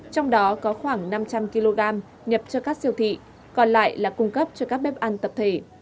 trong đó có khoảng năm trăm linh kg nhập cho các siêu thị còn lại là cung cấp cho các bếp ăn tập thể